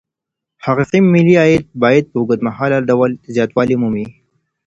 حقيقي ملي عايد بايد په اوږدمهاله ډول زياتوالی ومومي.